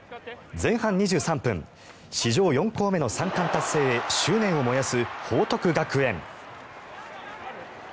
前半２３分史上４校目の３冠達成へ執念を燃やす報徳学園。